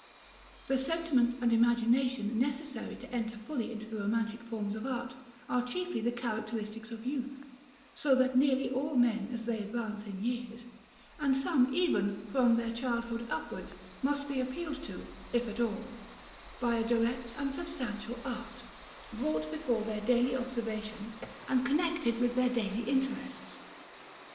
The sentiment and imagination necessary to enter fully into the romantic forms of art are chiefly the characteristics of youth; so that nearly all men as they advance in years, and some even from their childhood upwards, must be appealed to, if at all, by a direct and substantial art, brought before their daily observation and connected with their daily interests.